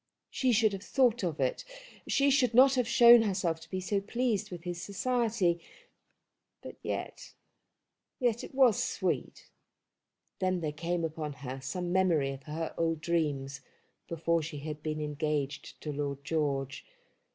She should have thought of it; she should not have shown herself to be so pleased with his society. But yet, yet it was sweet. Then there came upon her some memory of her old dreams, before she had been engaged to Lord George.